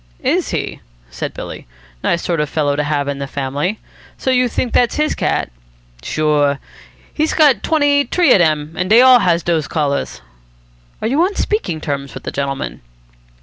"Is he?" said Billy. "Nice sort of fellow to have in the family. So you think that's his cat?" "Sure. He's got twenty t'ree of dem, and dey all has dose collars." "Are you on speaking terms with the gentleman?"